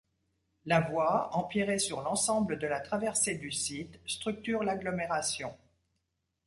La voie, empierrée sur l’ensemble de la traversée du site, structure l’agglomération.